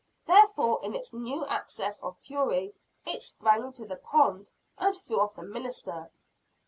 Therefore, in its new access of fury, it sprang into the pond and threw off the minister.